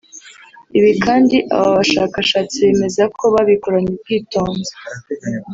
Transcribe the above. Ibi kandi aba bashakashatsi bemeza ko babikoranye ubwitonzi